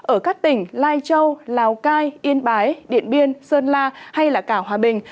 ở các tỉnh lai châu lào cai yên bái điện biên sơn la hay cả hòa bình